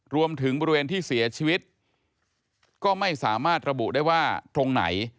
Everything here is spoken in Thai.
รวมถึงบริเวณที่เสียชีวิตก็ไม่สามารถระบุได้ว่าตรงไหน